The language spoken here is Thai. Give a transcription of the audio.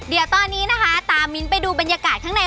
เดี๋ยวตอนนี้นะคะตามมิ้นไปดูบรรยากาศข้างใน